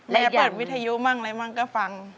และเปิดวิทยุบ้างอะไรบ้างก็ฟัง